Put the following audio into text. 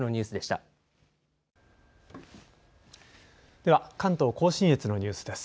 では関東甲信越のニュースです。